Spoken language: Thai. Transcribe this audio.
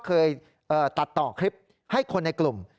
เคยตัดต่อคลิปให้คนในกลุ่ม